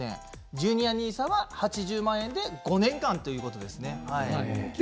ジュニアＮＩＳＡは８０万円で５年間ですね。